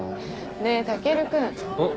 ねぇタケルくん。